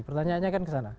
pertanyaannya kan kesana